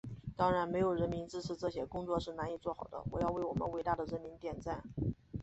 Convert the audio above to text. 当然，没有人民支持，这些工作是难以做好的，我要为我们伟大的人民点赞。